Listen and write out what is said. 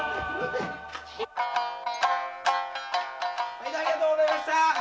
毎度ありがとうございました！